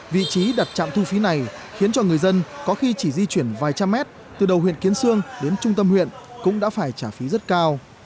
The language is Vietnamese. vị trí đặt trạm thu phí này khiến cho người dân có khi chỉ di chuyển vài trăm mét từ đầu huyện kiến sương đến trung tâm huyện cũng đã phải trả phí rất cao